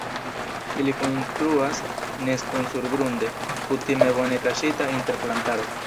Ili konstruas neston surgrunde kutime bone kaŝita inter plantaro.